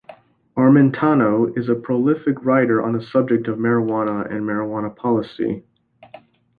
Armentano is a prolific writer on the subject of marijuana and marijuana policy.